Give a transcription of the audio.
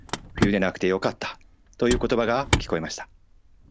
「冬でなくてよかった」という言葉が聞こえました。